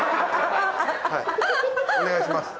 お願いします。